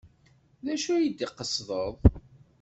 D acu ay d-tqesdeḍ?